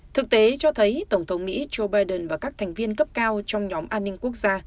thực tế cho thấy tổng thống mỹ joe biden và các thành viên cấp cao trong nhóm an ninh quốc gia